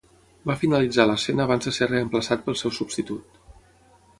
Va finalitzar l'escena abans de ser reemplaçat pel seu substitut.